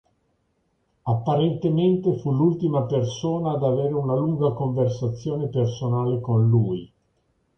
Apparentemente fu l'ultima persona ad avere una lunga conversazione personale con lui.